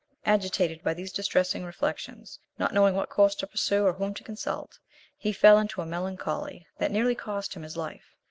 Agitated by these distressing reflections, not knowing what course to pursue or whom to consult, he fell into a melancholy that nearly cost him his life.